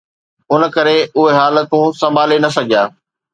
ان ڪري اهي حالتون سنڀالي نه سگهيا.